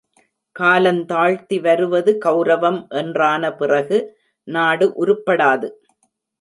காலந் தாழ்த்தி வருவது கெளரவம் என்றான பிறகு நாடு உருப்படாது.